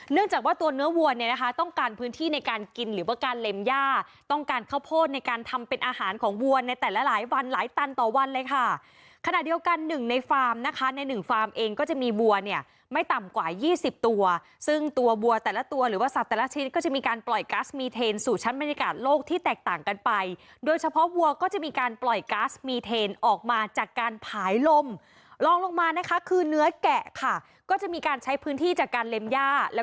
เนื่องจากว่าตัวเนื้อวัวเนี่ยนะคะต้องการพื้นที่ในการกินหรือว่าการเล็มหญ้าต้องการข้าวโพดในการทำเป็นอาหารของวัวในแต่ละหลายวันหลายตันต่อวันเลยค่ะขณะเดียวกันหนึ่งในฟาร์มนะคะในหนึ่งฟาร์มเองก็จะมีวัวเนี่ยไม่ต่ำกว่า๒๐ตัวซึ่งตัววัวแต่ละตัวหรือว่าสัตว์แต่ละชิ้นก็จะมีการปล